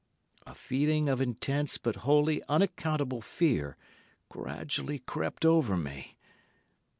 A feeling of intense but wholly unaccountable fear gradually crept over me.